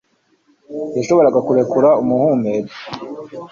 yashoboraga kurekura umuhumetso